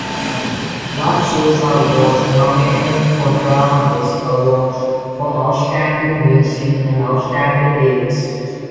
LaChiusa was nominated for Drama Desk Awards for Outstanding Music and Outstanding Lyrics.